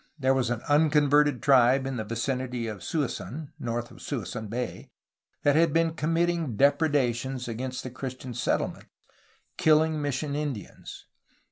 There was an unconverted tribe in the vicinity of Suisun, north of Suisun Bay, that had been committing depredations against the Christian settlements, kilUng mis sion Indians.